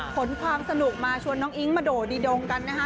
ขนความสนุกมาชวนน้องอิ๊งมาโดดีดงกันนะคะ